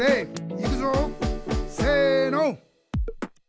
いくぞせの！